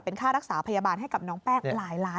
ค่ารักษาพยาบาลให้กับน้องแป้งหลายล้าน